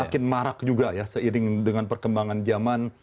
makin marak juga ya seiring dengan perkembangan zaman